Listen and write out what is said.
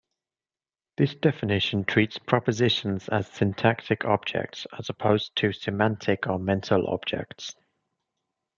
This definition treats propositions as syntactic objects, as opposed to semantic or mental objects.